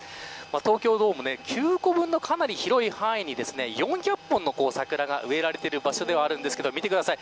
東京ドーム９個分のかなり広い範囲に４００本の桜が植えられている場所ではあるんですが見てください。